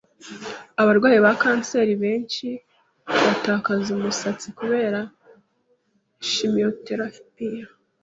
Abarwayi ba kanseri benshi batakaza umusatsi kubera chimiotherapie.